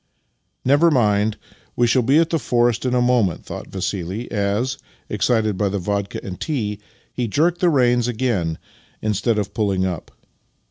" Never mind; we shall be at the forest in a moment," thought Vassili as, excited by the vodka and tea, he jerked the reins again instead of pulling up.